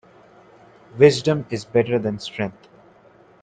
Wisdom is better than strength.